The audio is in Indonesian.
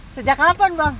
sejak kapan bang